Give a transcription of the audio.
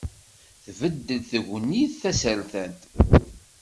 Tbeddel tegnit tasertant.